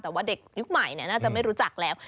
แต่ว่าเด็กยุคใหม่น่าจะไม่รู้จักแล้ว